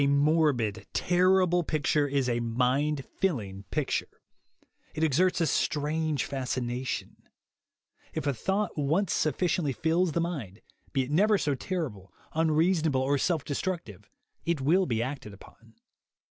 A morbid, terrible picture is a mind filling picture; it exerts a strange fascination. If a thought once sufficiently fills the mind, be it never THE WAY TO WILL POWER 57 so terrible, unreasonable or self destructive, it will be acted upon.